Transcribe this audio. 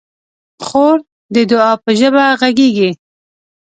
خور د دعا په ژبه غږېږي.